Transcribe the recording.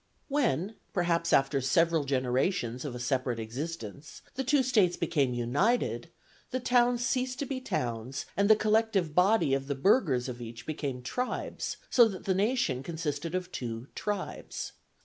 When, perhaps after several generations of a separate existence, the two states became united, the towns ceased to be towns, and the collective body of the burghers of each became tribes, so that the nation consisted of two tribes.